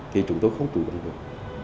thì chúng tôi không chủ động được